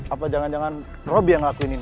apa jangan jangan robby yang ngelakuin ini